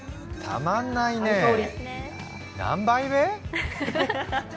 たまんないね、何杯目？